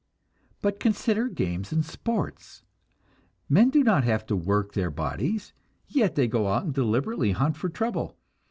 But consider games and sports: men do not have to work their bodies, yet they go out and deliberately hunt for trouble!